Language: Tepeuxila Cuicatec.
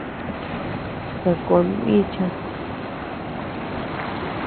Sakón bíchas.